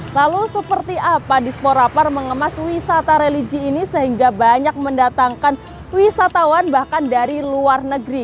lalu seperti apa disporaper mengemas wisata religi ini sehingga banyak mendatangkan wisatawan bahkan dari luar negeri